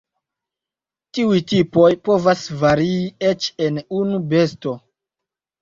Tiuj tipoj povas varii eĉ en unu besto.